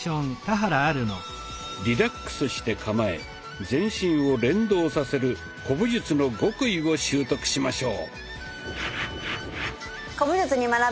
リラックスして構え全身を連動させる古武術の極意を習得しましょう。